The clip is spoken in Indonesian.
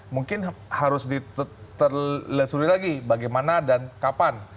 mungkin harus ditelusuri lagi bagaimana dan kapan